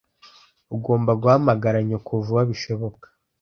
Ugomba guhamagara nyoko vuba bishoboka.